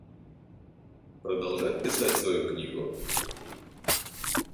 Продолжать писать свою книгу?